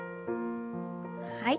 はい。